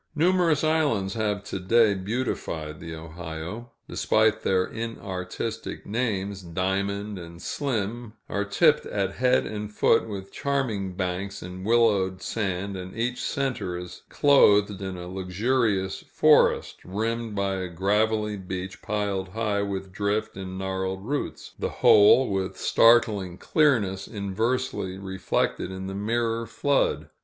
Numerous islands have to day beautified the Ohio. Despite their inartistic names, Diamond and Slim are tipped at head and foot with charming banks and willowed sand, and each center is clothed in a luxurious forest, rimmed by a gravelly beach piled high with drift and gnarled roots: the whole, with startling clearness, inversely reflected in the mirrored flood.